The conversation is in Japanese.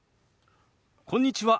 こんにちは。